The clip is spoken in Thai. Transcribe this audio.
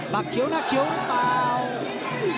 ักเขียวหน้าเขียวหรือเปล่า